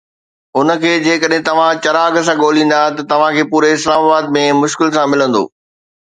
ان کي جيڪڏهن توهان چراغ سان ڳوليندا ته توهان کي پوري اسلام آباد ۾ مشڪل سان ملندو.